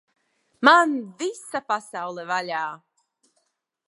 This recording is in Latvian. Man visa pasaule vaļā!